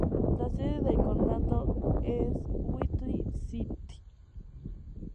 La sede del condado es Whitley City.